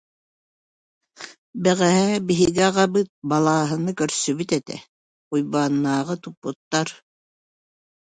Бэҕэһээ биһиги аҕабыт Балааһаны көрсүбүт этэ, Уйбааннааҕы туппуттар